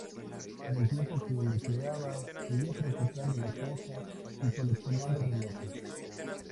En el tiempo que le quedaba, seguía practicando la caza y coleccionando relojes.